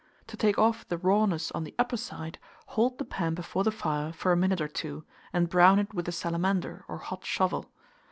To take off the rawness on the upper side, hold the pan before the fire for a minute or two, and brown it with a salamander or hot shovel.